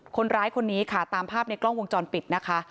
คนร้ายคนนี้ค่ะตามภาพในกล้องวงจรปิดนะคะ